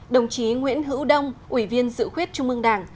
đồng chí nguyễn hữu đông ủy viên dự khuyết trung ương đảng